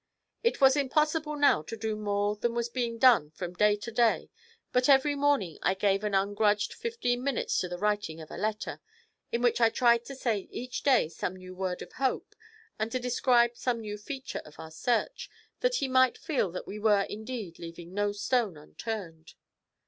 It was impossible now to do more than was being done from day to day, but every morning I gave an ungrudged fifteen minutes to the writing of a letter, in which I tried to say each day some new word of hope and to describe some new feature of our search, that he might feel that we were indeed leaving no stone unturned.